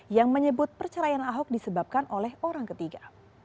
yang menyebut perceraian ahok disebabkan oleh orang ketiga